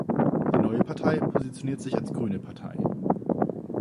Die neue Partei positioniert sich als grüne Partei.